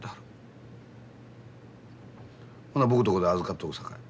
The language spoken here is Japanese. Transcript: ほな僕とこで預かっとくさかい。